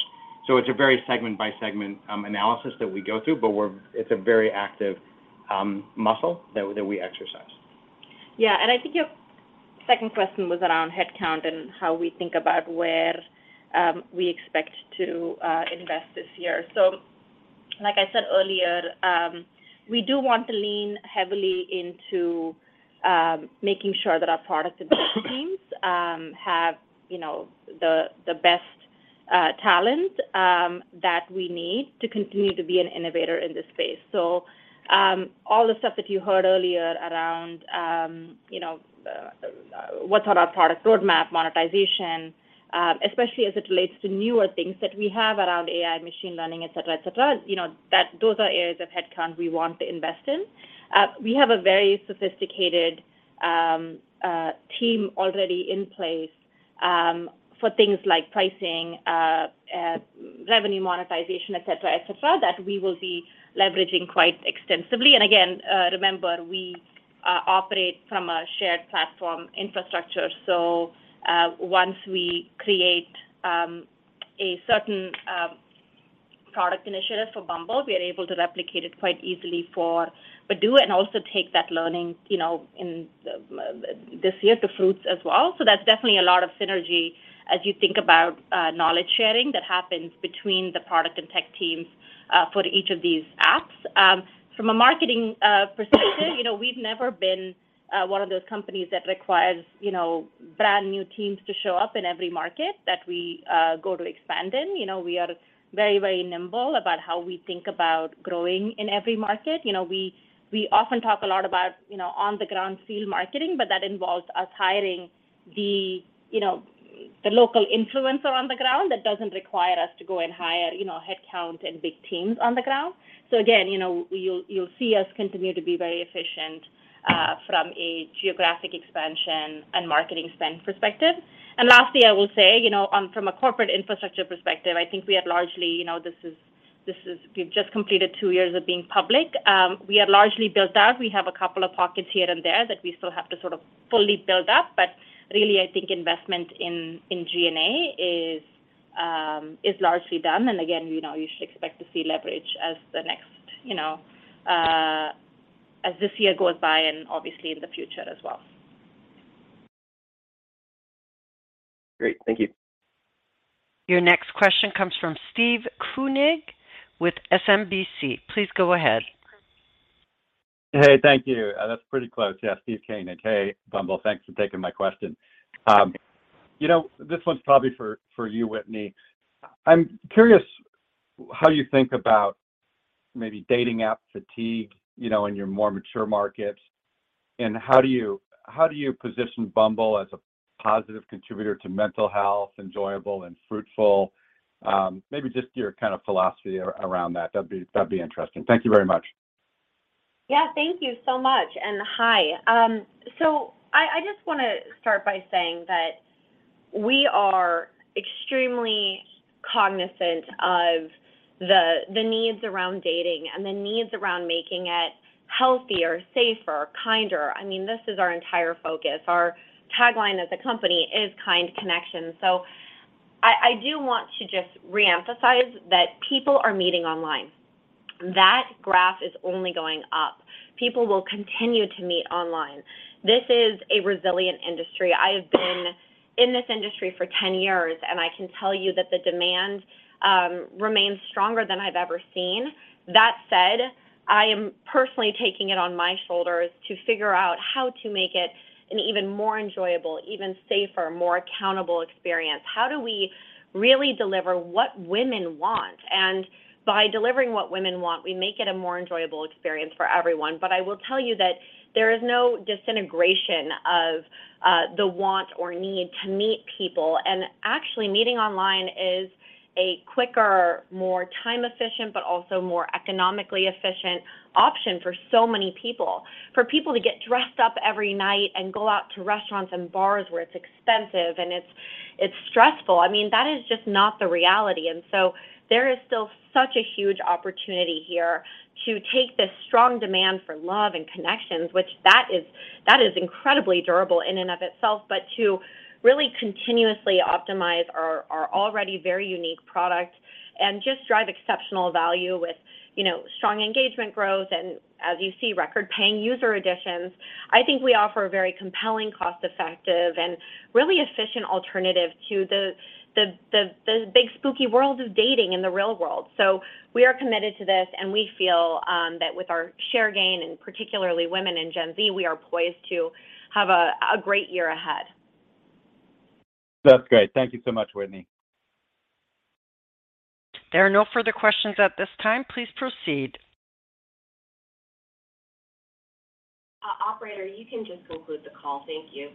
It's a very segment by segment analysis that we go through, but it's a very active muscle that we exercise. I think your second question was around headcount and how we think about where we expect to invest this year. Like I said earlier, we do want to lean heavily into making sure that our product and design teams have, you know, the best talent that we need to continue to be an innovator in this space. All the stuff that you heard earlier around, you know, what's on our product roadmap, monetization, especially as it relates to newer things that we have around AI, machine learning, et cetera, et cetera, you know, that those are areas of headcount we want to invest in. We have a very sophisticated team already in place for things like pricing, revenue monetization, et cetera, et cetera, that we will be leveraging quite extensively. Again, remember, we operate from a shared platform infrastructure. Once we create a certain product initiative for Bumble, we are able to replicate it quite easily for Badoo, and also take that learning, you know, in the see it to Fruitz as well. That's definitely a lot of synergy as you think about knowledge sharing that happens between the product and tech teams for each of these apps. From a marketing perspective, you know, we've never been one of those companies that requires, you know, brand-new teams to show up in every market that we go to expand in. You know, we are very, very nimble about how we think about growing in every market. You know, we often talk a lot about, you know, on-the-ground field marketing, but that involves us hiring the, you know, the local influencer on the ground. That doesn't require us to go and hire, you know, headcount and big teams on the ground. Again, you know, you'll see us continue to be very efficient from a geographic expansion and marketing spend perspective. Lastly, I will say, you know, from a corporate infrastructure perspective, I think we have largely, you know, we've just completed two years of being public. We are largely built out. We have a couple of pockets here and there that we still have to sort of fully build up. Really, I think investment in G&A is largely done. Again, you know, you should expect to see leverage as the next, you know, as this year goes by and obviously in the future as well. Great. Thank you. Your next question comes from Steven Koenig with SMBC. Please go ahead. Hey, thank you. That's pretty close. Yeah, Steven Koenig. Hey, Bumble, thanks for taking my question. you know, this one's probably for you, Whitney. I'm curious how you think about maybe dating app fatigue, you know, in your more mature markets, and how do you position Bumble as a positive contributor to mental health, enjoyable and fruitful? maybe just your kind of philosophy around that. That'd be interesting. Thank you very much. Yeah, thank you so much. And hi. I just wanna start by saying that we are extremely cognizant of the needs around dating and the needs around making it healthier, safer, kinder. I mean, this is our entire focus. Our tagline as a company is kind connection. I do want to just reemphasize that people are meeting online. That graph is only going up. People will continue to meet online. This is a resilient industry. I have been in this industry for 10 years, and I can tell you that the demand remains stronger than I've ever seen. That said, I am personally taking it on my shoulders to figure out how to make it an even more enjoyable, even safer, more accountable experience. How do we really deliver what women want? By delivering what women want, we make it a more enjoyable experience for everyone. I will tell you that there is no disintegration of the want or need to meet people. Actually, meeting online is a quicker, more time-efficient but also more economically efficient option for so many people. For people to get dressed up every night and go out to restaurants and bars where it's expensive and it's stressful, I mean, that is just not the reality. There is still such a huge opportunity here to take this strong demand for love and connections, which that is, that is incredibly durable in and of itself, but to really continuously optimize our already very unique product and just drive exceptional value with, you know, strong engagement growth and, as you see, record paying user additions. I think we offer a very compelling, cost-effective and really efficient alternative to the big spooky world of dating in the real world. We are committed to this, and we feel that with our share gain, and particularly women in Gen Z, we are poised to have a great year ahead. That's great. Thank you so much, Whitney. There are no further questions at this time. Please proceed. Operator, you can just conclude the call. Thank you.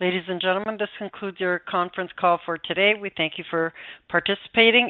Ladies and gentlemen, this concludes your conference call for today. We thank you for participating.